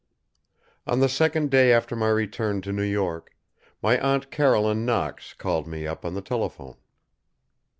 On the second day after my return to New York, my Aunt Caroline Knox called me up on the telephone.